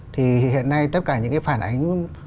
thì hiện nay tất cả những phản ánh